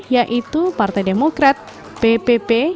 yaitu partai demokrat ppp